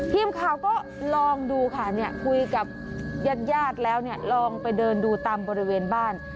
พี่หิมเขาก็ลองดูค่ะเนี่ยคุยกับยาตรรยากแล้วเนี่ยลองไปเดินดูตามบริเวณบ้าน